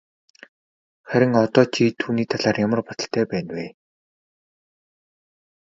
Харин одоо чи түүний талаар ямар бодолтой байна вэ?